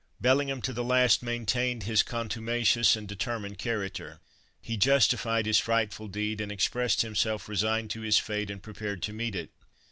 Bellingham to the last maintained his contumacious and determined character. He justified his frightful deed, and expressed himself resigned to his fate and prepared to meet it.